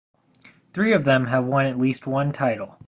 Three of them have won at least one title.